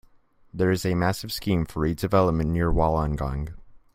There is a massive scheme for redevelopment near Wollongong.